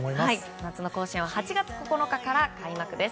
夏の甲子園は８月９日から開幕です。